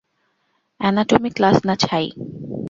Anatomy class না ছাই!